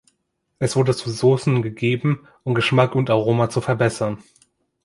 Es wurde zur Soßen gegeben, um Geschmack und Aroma zu verbessern.